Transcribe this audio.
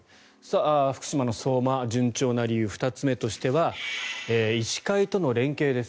福島の相馬が順調な理由２つ目としては医師会との連携です。